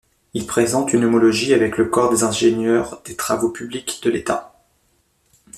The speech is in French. Il présente une homologie avec le corps des ingénieurs des travaux publics de l'État.